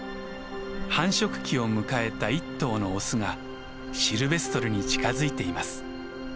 繁殖期を迎えた一頭のオスがシルベストルに近づいています。